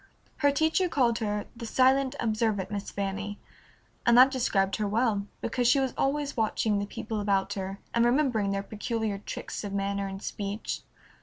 Her teacher called her "the silent, observant Miss Fanny," and that described her well, because she was always watching the people about her, and remembering their peculiar tricks of manner and speech.